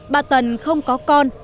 bà tần không có con